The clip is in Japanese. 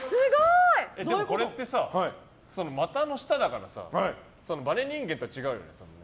これってさ、またの下だからバネ人間とは違うよね。